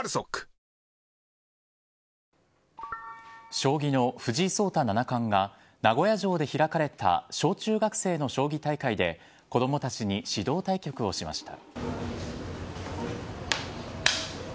将棋の藤井聡太七冠が名古屋城で開かれた小中学生の将棋大会で子供たちに指導対局をしました。